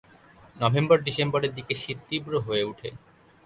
নভেম্বর-ডিসেম্বরের দিকে শীত তীব্র হয়ে উঠে।